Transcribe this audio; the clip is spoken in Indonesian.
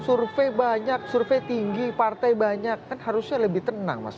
survei banyak survei tinggi partai banyak kan harusnya lebih tenang mas